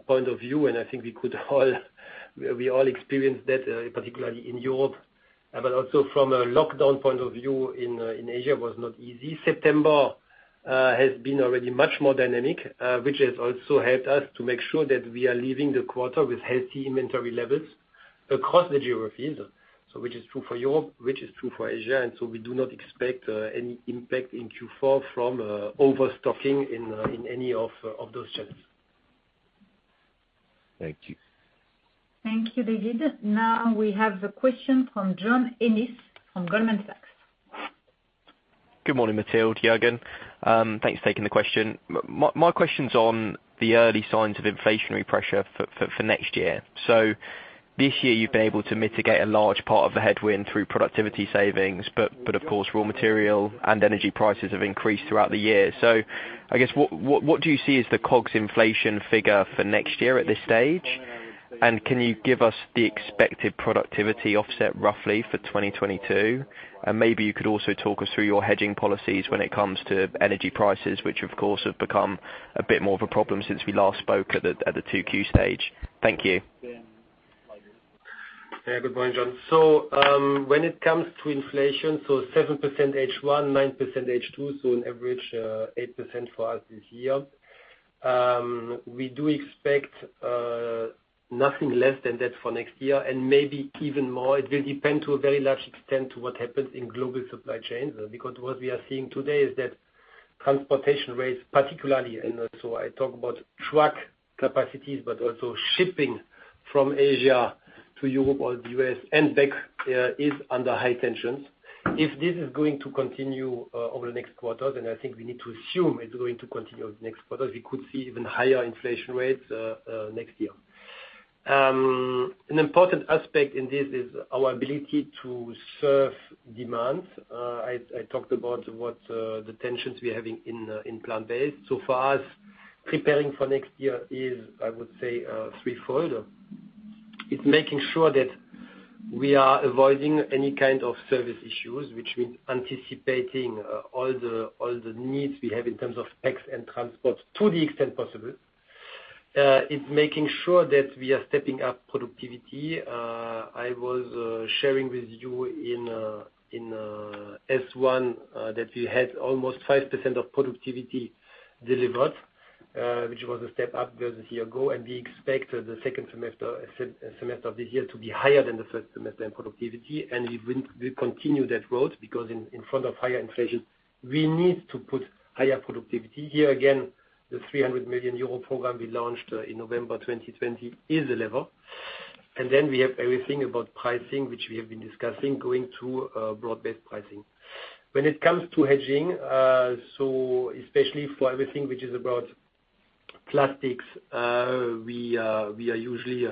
point of view, and I think we all experienced that, particularly in Europe, but also from a lockdown point of view in Asia was not easy. September has been already much more dynamic, which has also helped us to make sure that we are leaving the quarter with healthy inventory levels across the geographies. Which is true for Europe, which is true for Asia, we do not expect any impact in Q4 from overstocking in any of those channels. Thank you. Thank you, David. We have a question from John Ennis from Goldman Sachs. Good morning, Mathilde, Juergen. Thanks for taking the question. My question's on the early signs of inflationary pressure for next year. This year you've been able to mitigate a large part of the headwind through productivity savings, but of course, raw material and energy prices have increased throughout the year. I guess, what do you see as the COGS inflation figure for next year at this stage? Can you give us the expected productivity offset roughly for 2022? Maybe you could also talk us through your hedging policies when it comes to energy prices, which of course have become a bit more of a problem since we last spoke at the 2Q stage. Thank you. Yeah, good point, John. When it comes to inflation, so 7% H1, 9% H2, so an average 8% for us this year. We do expect nothing less than that for next year and maybe even more. It will depend to a very large extent to what happens in global supply chains, because what we are seeing today is that transportation rates particularly, and also I talk about truck capacities, but also shipping from Asia to Europe or the U.S. and back, is under high tensions. If this is going to continue over the next quarters, and I think we need to assume it's going to continue over the next quarters, we could see even higher inflation rates next year. An important aspect in this is our ability to serve demand. I talked about what the tensions we're having in plant-based. For us, preparing for next year is, I would say, threefold. It's making sure that we are avoiding any kind of service issues, which means anticipating all the needs we have in terms of packs and transport to the extent possible. It's making sure that we are stepping up productivity. I was sharing with you in H1 that we had almost 5% of productivity delivered, which was a step up versus a year ago. We expect the second semester of this year to be higher than the first semester in productivity. We will continue that growth because in front of higher inflation, we need to put higher productivity. Here, again, the 300 million euro program we launched in November 2020 is a lever. Then we have everything about pricing, which we have been discussing, going to broad-based pricing. When it comes to hedging, especially for everything which is about plastics, we are usually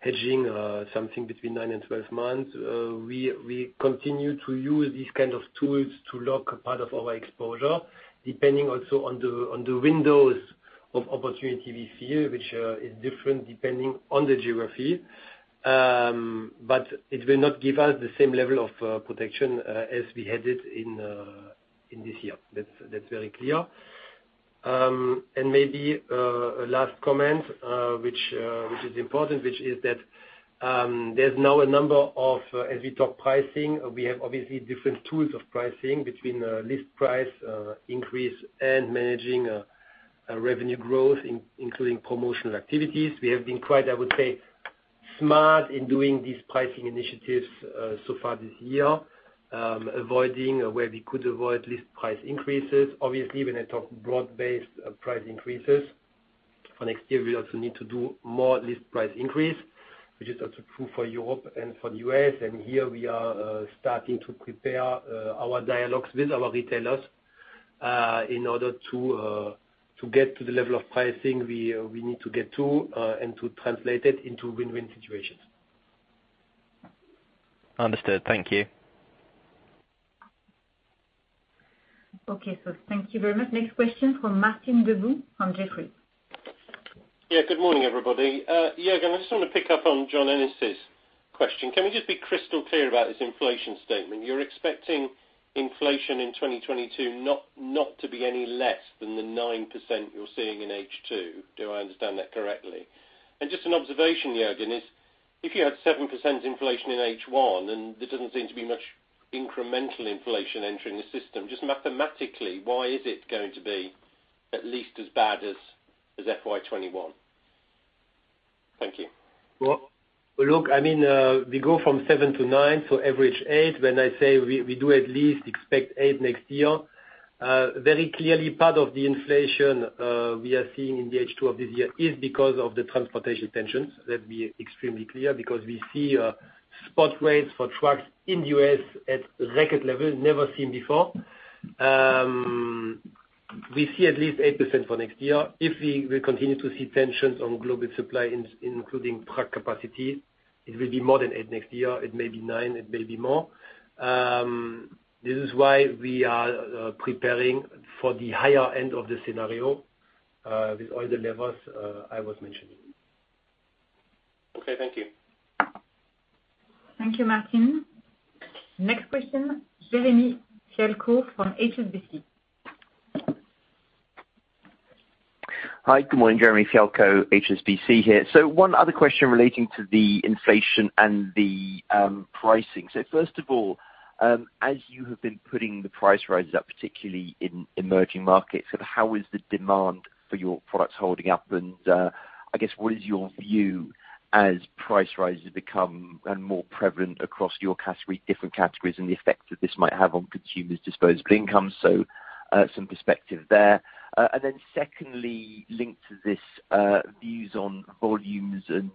hedging something between nine and 12 months. We continue to use these kind of tools to lock a part of our exposure, depending also on the windows of opportunity we see, which is different depending on the geography. It will not give us the same level of protection as we had it in this year. That's very clear. Maybe a last comment, which is important, which is that there's now a number of, as we talk pricing, we have obviously different tools of pricing between list price increase and managing revenue growth, including promotional activities. We have been quite, I would say, smart in doing these pricing initiatives so far this year, avoiding where we could avoid list price increases. Obviously, when I talk broad-based price increases for next year, we also need to do more list price increase, which is also true for Europe and for the U.S. Here we are starting to prepare our dialogues with our retailers, in order to get to the level of pricing we need to get to, and to translate it into win-win situations. Understood. Thank you. Okay. Thank you very much. Next question from Martin Deboo from Jefferies. Yeah. Good morning, everybody. Juergen, I just want to pick up on John Ennis' question. Can we just be crystal clear about this inflation statement? You're expecting inflation in 2022 not to be any less than the 9% you're seeing in H2, do I understand that correctly? Just an observation, Juergen, is if you had 7% inflation in H1, and there doesn't seem to be much incremental inflation entering the system, just mathematically, why is it going to be at least as bad as FY 2021? Thank you. Well, look, we go from seven to nine, so average eight, when I say we do at least expect eight next year. Very clearly part of the inflation we are seeing in the H2 of this year is because of the transportation tensions. Let's be extremely clear, because we see spot rates for trucks in the U.S. at record levels, never seen before. We see at least 8% for next year. If we will continue to see tensions on global supply, including truck capacity, it will be more than eight next year. It may be nine, it may be more. This is why we are preparing for the higher end of the scenario, with all the levers I was mentioning. Okay, thank you. Thank you, Martin. Next question, Jeremy Fialko from HSBC. Hi, good morning. Jeremy Fialko, HSBC here. One other question relating to the inflation and the pricing. First of all, as you have been putting the price rises up, particularly in emerging markets, how is the demand for your products holding up? I guess, what is your view as price rises become more prevalent across your different categories and the effect that this might have on consumers' disposable income? Some perspective there. Then secondly, linked to this, views on volumes and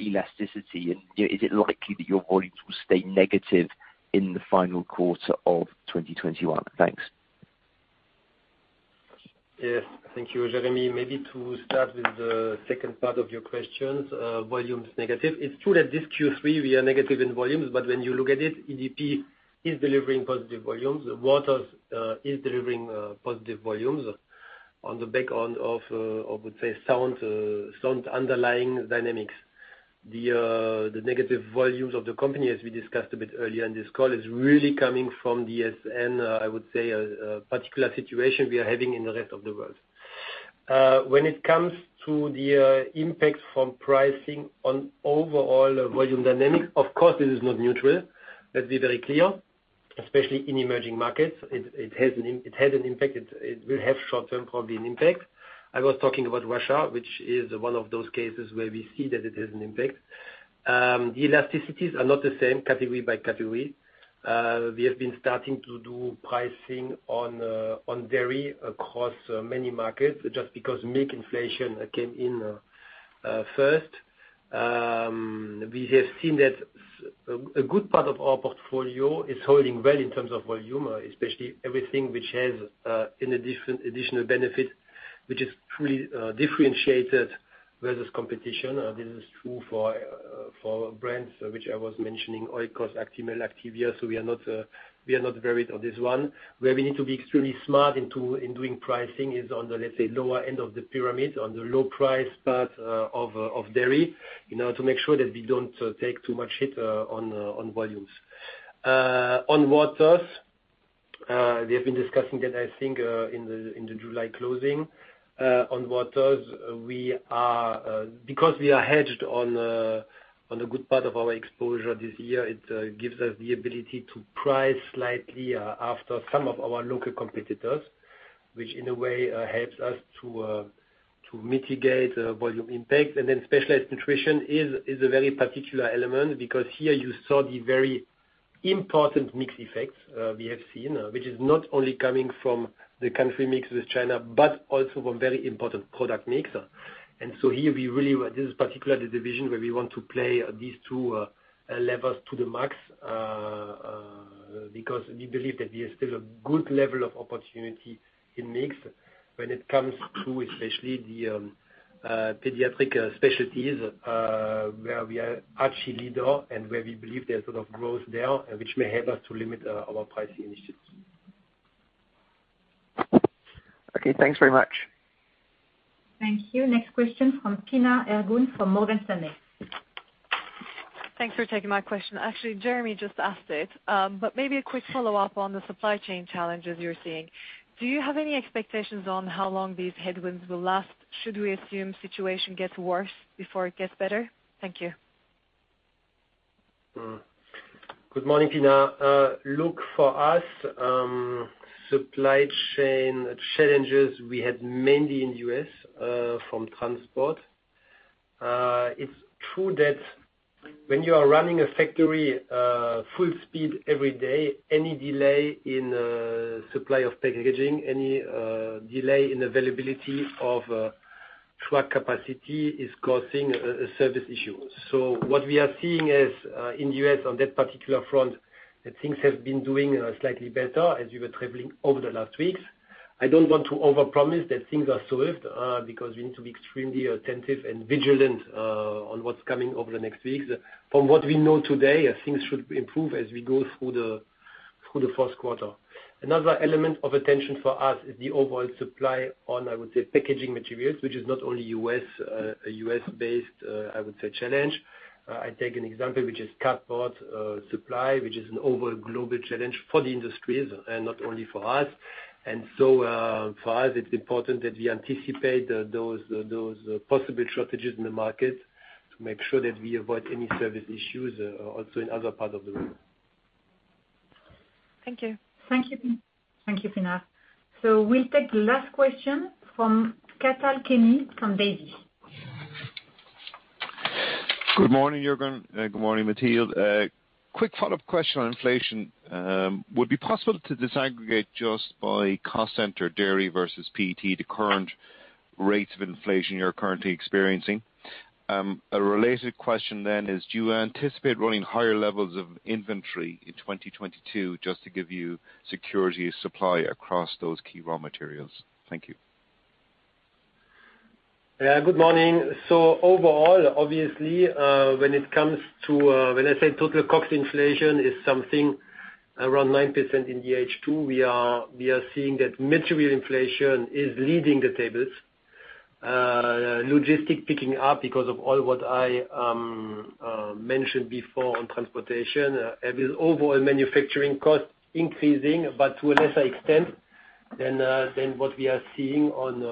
elasticity, and is it likely that your volumes will stay negative in the final quarter of 2021? Thanks. Yes. Thank you, Jeremy. Maybe to start with the second part of your questions, volumes negative. It's true that this Q3, we are negative in volumes. When you look at it, EDP is delivering positive volumes. Waters is delivering positive volumes on the back of, I would say, sound underlying dynamics. The negative volumes of the company, as we discussed a bit earlier in this call, is really coming from the SN, I would say, a particular situation we are having in the rest of the world. When it comes to the impact from pricing on overall volume dynamic, of course it is not neutral. Let's be very clear, especially in emerging markets, it had an impact. It will have short-term probably an impact. I was talking about Russia, which is one of those cases where we see that it has an impact. The elasticities are not the same category by category. We have been starting to do pricing on dairy across many markets, just because milk inflation came in first. We have seen that a good part of our portfolio is holding well in terms of volume, especially everything which has an additional benefit, which is truly differentiated versus competition. This is true for brands which I was mentioning, Oikos, Actimel, Activia, so we are not worried on this one. Where we need to be extremely smart in doing pricing is on the, let's say, lower end of the pyramid, on the low price part of dairy, to make sure that we don't take too much hit on volumes. On waters, we have been discussing that, I think, in the July closing, on waters, because we are hedged on a good part of our exposure this year, it gives us the ability to price slightly after some of our local competitors, which in a way helps us to mitigate volume impact. Specialized Nutrition is a very particular element, because here you saw the very important mix effects we have seen, which is not only coming from the country mix with China, but also from very important product mix. Here, this is particularly the division where we want to play these two levels to the max, because we believe that there is still a good level of opportunity in mix when it comes to, especially, the pediatric specialties, where we are actually leader and where we believe there is sort of growth there, which may help us to limit our pricing initiatives. Okay, thanks very much. Thank you. Next question from Pinar Ergun from Morgan Stanley. Thanks for taking my question. Actually, Jeremy just asked it, but maybe a quick follow-up on the supply chain challenges you're seeing. Do you have any expectations on how long these headwinds will last? Should we assume situation gets worse before it gets better? Thank you. Good morning, Pinar. Look, for us, supply chain challenges we had mainly in the U.S., from transport. It's true that when you are running a factory full speed every day, any delay in supply of packaging, any delay in availability of truck capacity is causing a service issue. What we are seeing is, in the U.S. on that particular front, that things have been doing slightly better as we were traveling over the last weeks. I don't want to overpromise that things are solved, because we need to be extremely attentive and vigilant on what's coming over the next weeks. From what we know today, things should improve as we go through the first quarter. Another element of attention for us is the overall supply on, I would say, packaging materials, which is not only a U.S.-based, I would say, challenge. I take an example, which is cardboard supply, which is an overall global challenge for the industries and not only for us. For us, it's important that we anticipate those possible shortages in the market to make sure that we avoid any service issues also in other parts of the world. Thank you. Thank you, Pinar. We'll take the last question from Cathal Kenny from Davy. Good morning, Juergen. Good morning, Mathilde. A quick follow-up question on inflation. Would it be possible to disaggregate just by cost center, dairy versus PET, the current rates of inflation you're currently experiencing? A related question then is, do you anticipate running higher levels of inventory in 2022 just to give you security of supply across those key raw materials? Thank you. Yeah. Good morning. Overall, obviously, when I say total cost inflation is something around 9% in the H2, we are seeing that material inflation is leading the tables. Logistics picking up because of all what I mentioned before on transportation, and with overall manufacturing costs increasing, but to a lesser extent than what we are seeing on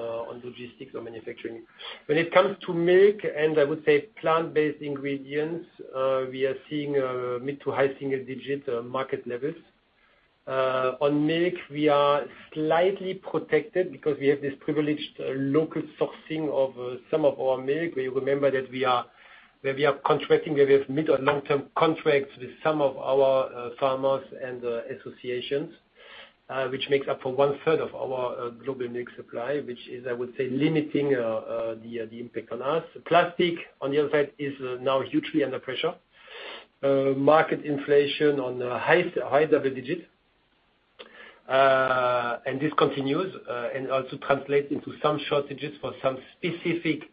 logistics or manufacturing. When it comes to milk, and I would say plant-based ingredients, we are seeing mid to high single-digit market levels. On milk, we are slightly protected because we have this privileged local sourcing of some of our milk, where we are contracting, where we have mid or long-term contracts with some of our farmers and associations, which makes up for one third of our global milk supply, which is, I would say, limiting the impact on us. Plastic, on the other side, is now hugely under pressure. Market inflation on high double digits. This continues, also translates into some shortages for some specific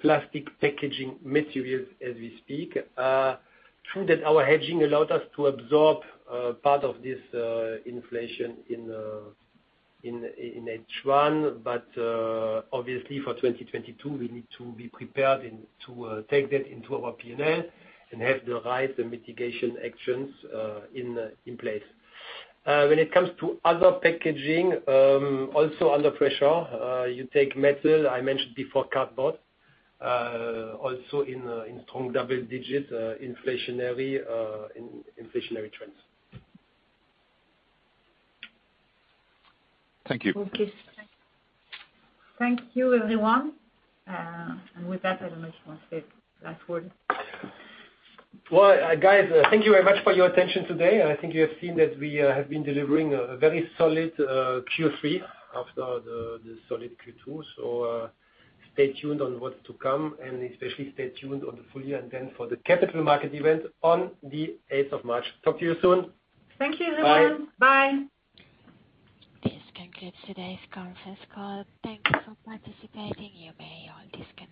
plastic packaging materials as we speak. True that our hedging allowed us to absorb part of this inflation in H1, obviously for 2022, we need to be prepared and to take that into our P&L and have the right mitigation actions in place. When it comes to other packaging, also under pressure, you take metal, I mentioned before cardboard, also in strong double digit inflationary trends. Thank you. Okay. Thank you, everyone. With that, I will let Juergen have the last word. Well, guys, thank you very much for your attention today. I think you have seen that we have been delivering a very solid Q3 after the solid Q2. Stay tuned on what's to come, and especially stay tuned on the full year and then for the capital market event on the 8th of March. Talk to you soon. Thank you, everyone. Bye. Bye. This concludes today's conference call. Thank you for participating. You may all disconnect.